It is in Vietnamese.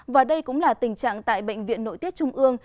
và đây cũng là tình trạng tại bệnh viện nội tiết trung ương